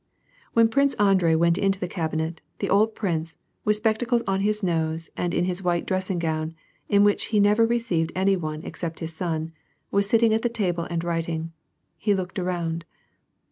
When Prince Andrei went into the cabinet, the old prince, with spectacles on his nos^ and in his white dressing gown, in which he never received any one except his son, w«as sitting at the table and writing. He looked around.